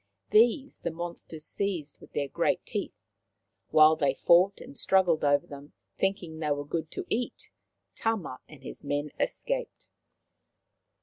These the monsters seized with their great teeth. While they fought and struggled over them, thinking they were good to eat, Tama and his men escaped.